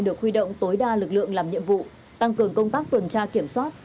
được huy động tối đa lực lượng làm nhiệm vụ tăng cường công tác tuần tra kiểm soát